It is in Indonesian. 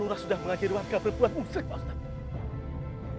orang sudah mengakhiri warga berpulang musik pak ustaz